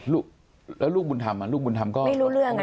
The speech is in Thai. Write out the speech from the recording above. ลูกแล้วลูกบุญธรรมอ่ะลูกบุญธรรมก็ไม่รู้เรื่องนะ